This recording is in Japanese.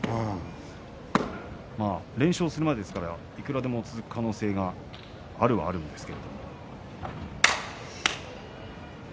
連勝するまでですからいくらでも続く可能性はあるはあるんですが。